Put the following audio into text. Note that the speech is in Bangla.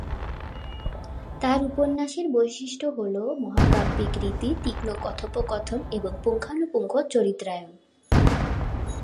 তার উপন্যাসের বৈশিষ্ট্য হলো মহাকাব্যিক রীতি, তীক্ষ্ণ কথোপকথন এবং পুঙ্খানুপুঙ্খ চরিত্রায়ন।